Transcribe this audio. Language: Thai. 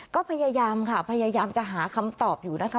ก็พยายามค่ะพยายามจะหาคำตอบอยู่นะคะ